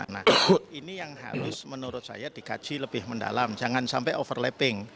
nah ini yang harus menurut saya dikaji lebih mendalam jangan sampai overlapping